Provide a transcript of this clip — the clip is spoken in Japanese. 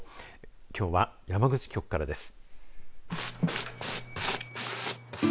きょうは山口局からです。